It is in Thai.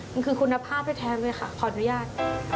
มันคือคุณภาพแท้เลยค่ะขออนุญาต